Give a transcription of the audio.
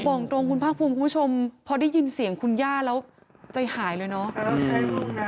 บอกตรงคุณภาคภูมิคุณผู้ชมพอได้ยินเสียงคุณย่าแล้วใจหายเลยเนาะ